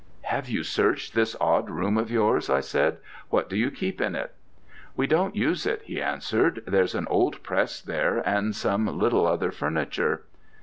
'Have you searched this odd room of yours?' I said. 'What do you keep in it?' 'We don't use it,' he answered. 'There's an old press there, and some little other furniture.'